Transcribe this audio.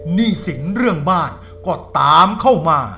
หนี้สินเรื่องบ้านก็ตามเข้ามา